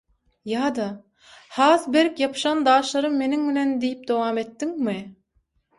Ýa-da “has berk ýapyşan daşlarym meniň bilen” diýip dowam etdiňmi?